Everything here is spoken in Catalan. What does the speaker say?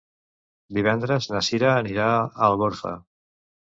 Divendres na Cira anirà a Algorfa.